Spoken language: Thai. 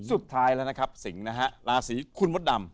สุดท้ายแล้วนะครับสิงห์นะฮะราศีคุณมดดำ